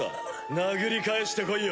殴り返してこいよ！